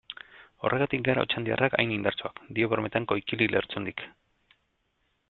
Horregatik gara otxandiarrak hain indartsuak, dio brometan Koikili Lertxundik.